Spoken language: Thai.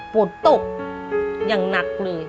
โปรดตกอย่างหนักเลย